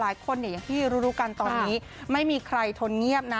หลายคนเนี่ยอย่างที่รู้กันตอนนี้ไม่มีใครทนเงียบนะ